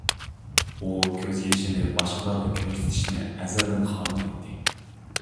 ئۇ كۆز يېشىنى باشقىلارغا كۆرسىتىشنى ئەزەلدىن خالىمايتتى.